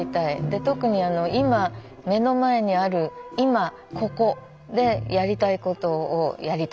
で特に今目の前にある今ここでやりたいことをやりたい。